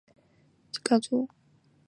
李家因此债台高筑。